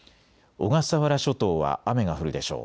小笠原諸島は雨が降るでしょう。